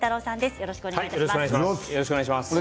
よろしくお願いします。